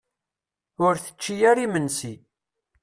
Ur tečči ara imensi.